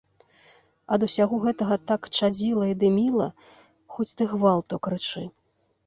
Ад усяго гэтага так чадзіла і дыміла, хоць ты гвалту крычы.